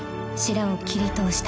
らを切り通した］